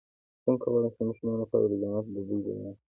څنګه کولی شم د ماشومانو لپاره د جنت د بوی بیان کړم